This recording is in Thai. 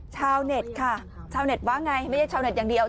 ชาวเน็ตค่ะชาวเน็ตว่าไงไม่ใช่ชาวเน็ตอย่างเดียว